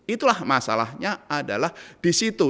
itulah masalahnya adalah di situ